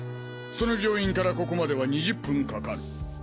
その病院からここまでは２０分かかる。